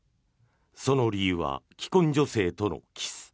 その理由は既婚女性とのキス。